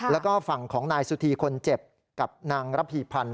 แล้วก็ฝั่งของนายสุธีคนเจ็บกับนางระพีพันธ์